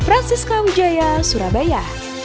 rasis kawijaya surabaya